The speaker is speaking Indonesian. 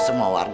teman r kg